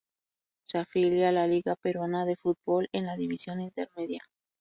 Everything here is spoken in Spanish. Se afilia a la Liga Peruana de Fútbol, en la División Intermedia.